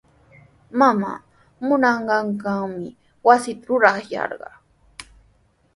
Mamaa munanqannawmi wasita rurayarqaa.